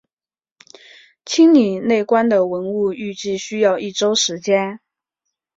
清理内棺的文物预计需要一周时间。